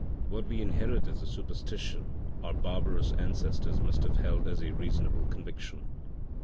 What we inherit as a superstition our barbarous ancestors must have held as a reasonable conviction.